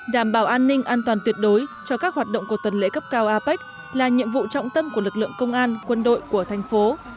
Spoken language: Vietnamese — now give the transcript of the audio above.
đảm bảo an ninh an toàn tuyệt đối cho các hoạt động của tuần lễ cấp cao apec là nhiệm vụ trọng tâm của lực lượng công an quân đội của thành phố